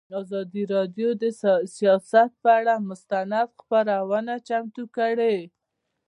ازادي راډیو د سیاست پر اړه مستند خپرونه چمتو کړې.